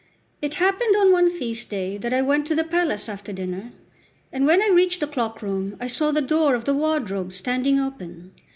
LXIX IT happened on one feast day that I went to the palace after dinner, and when I reached the clockroom, I saw the door of the wardrobe standing open.